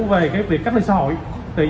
về việc cách ly xã hội